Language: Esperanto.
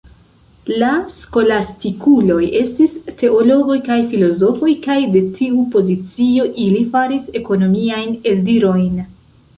La skolastikuloj estis teologoj kaj filozofoj, kaj de tiu pozicio ili faris ekonomiajn eldirojn.